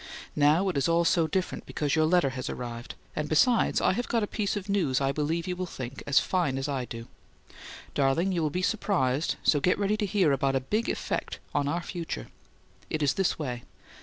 Now it is all so different because your letter has arrived and besides I have got a piece of news I believe you will think as fine as I do. Darling, you will be surprised, so get ready to hear about a big effect on our future. It is this way.